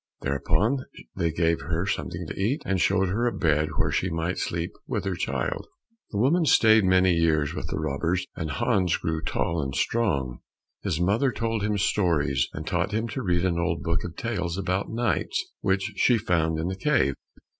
Thereupon they gave her something to eat, and showed her a bed where she might sleep with her child. The woman stayed many years with the robbers, and Hans grew tall and strong. His mother told him stories, and taught him to read an old book of tales about knights which she found in the cave.